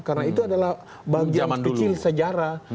karena itu adalah bagian kecil sejarah